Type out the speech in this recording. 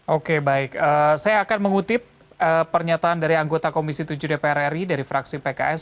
oke baik saya akan mengutip pernyataan dari anggota komisi tujuh dpr ri dari fraksi pks